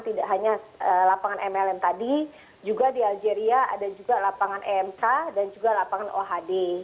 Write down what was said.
tidak hanya lapangan mlm tadi juga di algeria ada juga lapangan emk dan juga lapangan ohd